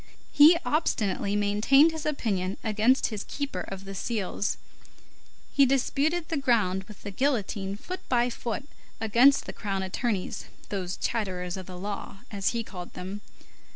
He obstinately maintained his opinion against his keeper of the seals; he disputed the ground with the guillotine foot by foot against the crown attorneys, those chatterers of the law, as he called them.